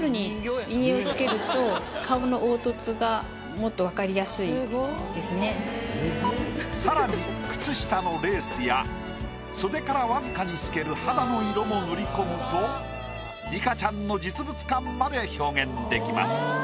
もっとさらに靴下のレースや袖から僅かに透ける肌の色も塗り込むとリカちゃんの実物感まで表現できます。